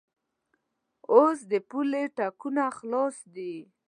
اوس د پولې ټکونه خلاص دي.